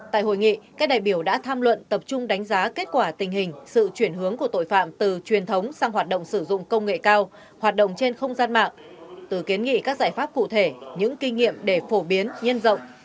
tại hội nghị các đại biểu đã tham luận tập trung đánh giá kết quả tình hình sự chuyển hướng của tội phạm từ truyền thống sang hoạt động sử dụng công nghệ cao hoạt động trên không gian mạng từ kiến nghị các giải pháp cụ thể những kinh nghiệm để phổ biến nhân rộng